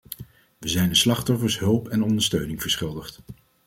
We zijn de slachtoffers hulp en ondersteuning verschuldigd.